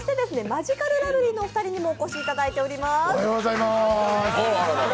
マヂカルラブリーのお二人にもお越しいただいています。